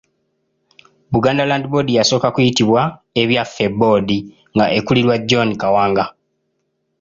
Buganda Land Board yasooka kuyitibwa Ebyaffe Board nga ekulirwa John Kawanga.